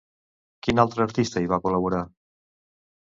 Quin altre artista hi va col·laborar?